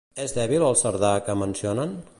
És dèbil el Cerdà que mencionen?